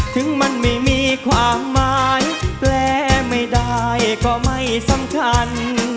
ถึงมันไม่มีความหมายแปลไม่ได้ก็ไม่สำคัญ